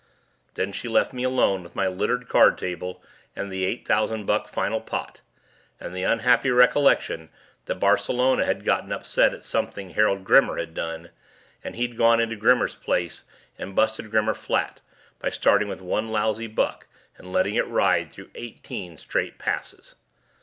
Then she left me alone with my littered card table and the eight thousand buck final pot and the unhappy recollection that Barcelona had gotten upset at something Harold Grimmer had done, and he'd gone into Grimmer's place and busted Grimmer flat by starting with one lousy buck and letting it ride through eighteen straight passes.